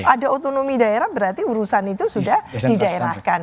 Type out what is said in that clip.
ada otonomi daerah berarti urusan itu sudah didaerahkan